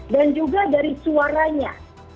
dan juga dari suaranya